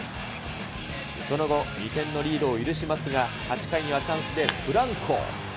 その後、２点のリードを許しますが、８回にはチャンスでフランコ。